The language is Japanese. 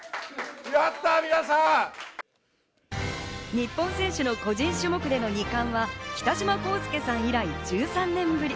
日本選手の個人種目での２冠は北島康介さん以来１３年ぶり。